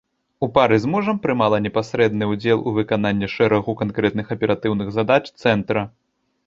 У пары з мужам прымала непасрэдны ўдзел у выкананні шэрагу канкрэтных аператыўных задач цэнтра.